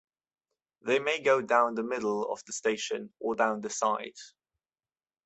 They may go down the middle of the station, or down the side.